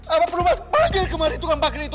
apa perlu mas panggil kemari tukang parkir itu